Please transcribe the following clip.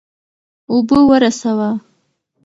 اوبه ورسوه.